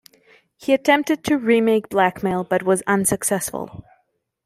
He attempted to remake "Blackmail" but was unsuccessful.